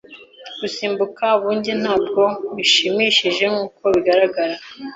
Gusimbuka Bungee ntabwo bishimishije nkuko bigaragara.